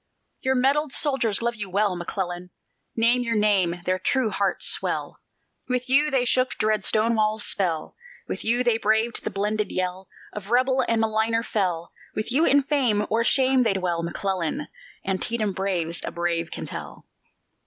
Your medalled soldiers love you well, McClellan! Name your name, their true hearts swell; With you they shook dread Stonewall's spell, With you they braved the blended yell Of rebel and maligner fell; With you in fame or shame they dwell, McClellan! Antietam braves a brave can tell.